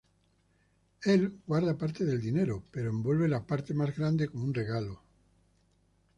Él guarda parte del dinero, pero envuelve la parte más grande como un regalo.